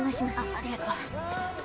ありがとう。